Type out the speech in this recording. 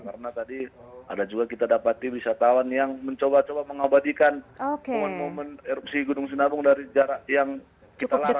karena tadi ada juga kita dapati wisatawan yang mencoba coba mengabadikan momen momen erupsi gunung sinabung dari jarak yang kita larang mbak